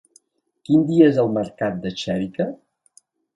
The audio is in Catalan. Quin dia és el mercat de Xèrica?